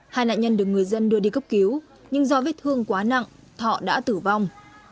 hai nạn nhân được người dân đưa đi cấp cứu nhưng do vết thương quá nặng thọ đã tử vong